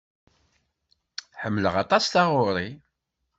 Ḥemmleɣ aṭas taɣuri.